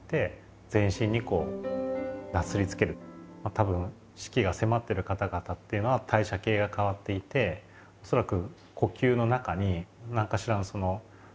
多分死期が迫ってる方々っていうのは代謝系が変わっていて恐らく呼吸の中に何かしらの成分が出てくるんだと思います。